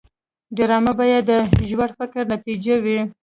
ډرامه باید د ژور فکر نتیجه وي